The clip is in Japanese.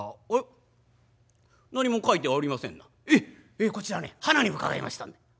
「ええこちらねはなに伺いましたんで」。